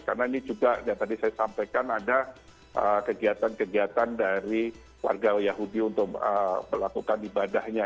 karena ini juga yang tadi saya sampaikan ada kegiatan kegiatan dari warga yahudi untuk melakukan ibadahnya